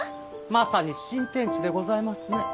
まさに新天地でございますね。